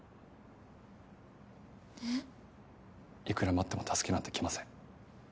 いくら待っても助けなんて来ません。